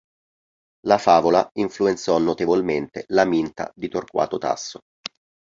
La favola influenzò notevolmente l"'Aminta" di Torquato Tasso.